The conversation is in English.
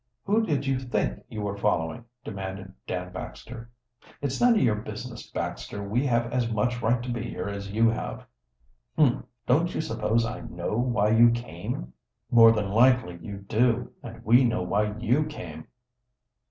"Who did you think you were following?" demanded Dan Baxter. "It's none of your business, Baxter. We have as much right to be here as you have." "Humph! Don't you suppose I know why you came?" "More than likely you do, and we know why you came."